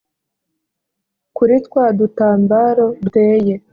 kuri twa dutambaro duteye